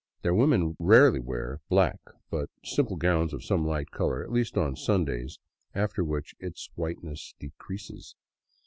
Their women rarely wear black, but simple gowns of some light color, at least on Sundays, after which its whiteness decreases.